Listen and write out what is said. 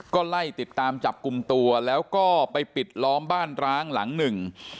ก็ไล่ติดตามจับกลุ่มตัวแล้วก็ไปปิดล้อมบ้านร้างหลังหนึ่ง